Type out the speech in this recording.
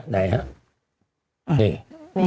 นี่ละอันนี้